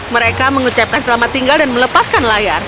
mereka mengucapkan selamat tinggal dan melepaskan layar